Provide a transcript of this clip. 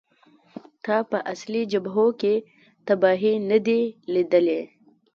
تا په اصلي جبهو کې تباهۍ نه دي لیدلې